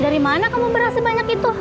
dari mana kamu beras sebanyak itu